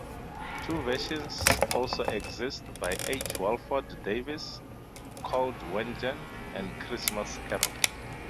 Two versions also exist by H. Walford Davies, called "Wengen", and "Christmas carol".